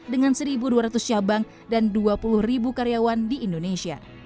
dengan satu dua ratus cabang dan dua puluh ribu karyawan di indonesia